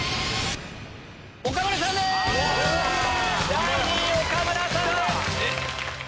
第２位岡村さんです！